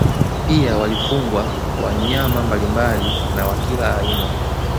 Pia walifugwa wanyama mbalimbali na wa kila aina